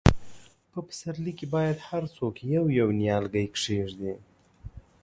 په پسرلي کې باید هر څوک یو، یو نیالګی کښېږدي.